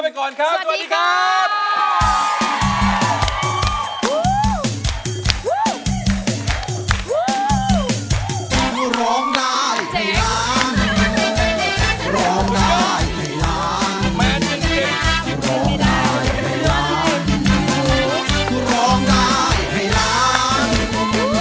วันนี้ล้ามไปก่อนครับสวัสดีครับ